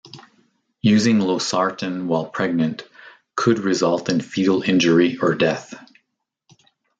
Using losartan while pregnant could result in fetal injury or death.